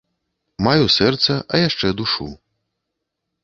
Маю сэрца, а яшчэ душу.